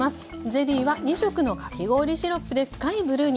ゼリーは２色のかき氷シロップで深いブルーに。